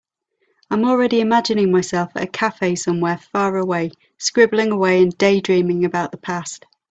I am already imagining myself at a cafe somewhere far away, scribbling away and daydreaming about the past.